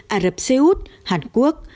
ả rập xê út hàn quốc